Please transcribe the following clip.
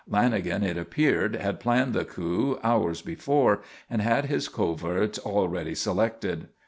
Lanagan, it appeared, had planned the coup hours before and had his coverts already selected.